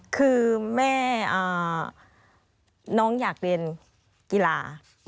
คือแม่น้องอยากเรียนกีฬา